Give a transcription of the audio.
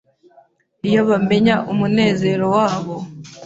iyo bamenya umunezero wabo